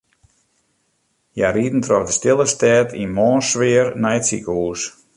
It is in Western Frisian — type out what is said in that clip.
Hja rieden troch de stille stêd yn moarnssfear nei it sikehús.